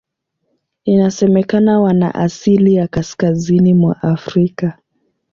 Inasemekana wana asili ya Kaskazini mwa Afrika.